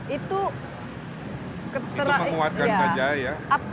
itu memuatkan saja ya